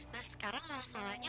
nah sekarang masalahnya